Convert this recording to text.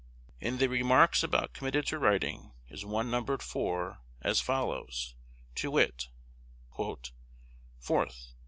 In the "remarks above committed to writing," is one numbered 4, as follows, to wit: "4th.